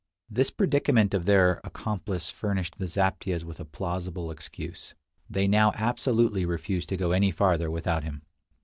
This predicament of their accomplice furnished the zaptiehs with a plausible excuse. They now absolutely refused to go any farther without him.